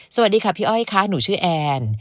สวัสดีค่ะพี่อ้อยค่ะหนูชื่อแอน